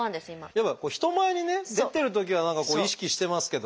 やっぱ人前にね出てるときは何かこう意識してますけど。